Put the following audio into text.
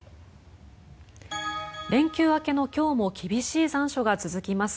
連休明けの今日も厳しい残暑が続きます。